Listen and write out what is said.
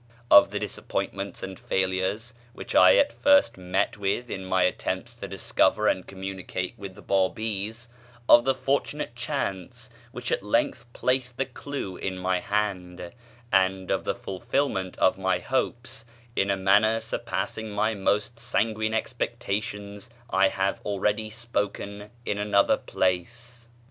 Of the disappointments and failures which I at first met with in my attempts to discover and communicate with the Bábís; of the fortunate chance which at length placed the clue in my hand; and of the fulfilment of my hopes in a manner surpassing my most sanguine expectations I have already spoken in another place.